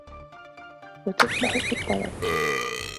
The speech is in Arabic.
وَتَسْمَحُ فِي الطَّلَبِ